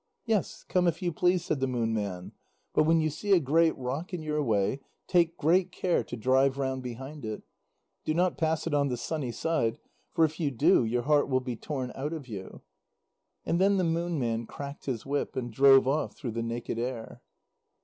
"Yes, come if you please," said the Moon Man. "But when you see a great rock in your way, take great care to drive round behind it. Do not pass it on the sunny side, for if you do, your heart will be torn out of you." And then the Moon Man cracked his whip, and drove off through the naked air.